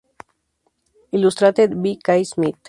Illustrated by Kay Smith.